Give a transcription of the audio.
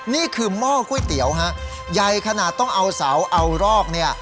หม้อก๋วยเตี๋ยวฮะใหญ่ขนาดต้องเอาเสาเอารอกเนี่ย